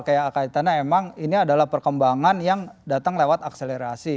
kayak kaitannya emang ini adalah perkembangan yang datang lewat akselerasi